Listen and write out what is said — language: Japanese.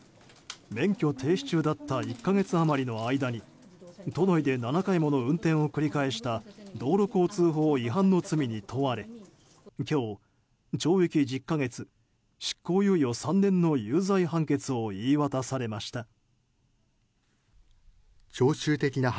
免許停止中だった１か月余りの間に都内で７回もの運転を繰り返した道路交通法違反の罪に問われ今日懲役１０か月、執行猶予３年の有罪判決を言い渡されました。